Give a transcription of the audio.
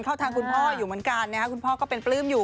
เข้าทางคุณพ่ออยู่เหมือนกันคุณพ่อก็เป็นปลื้มอยู่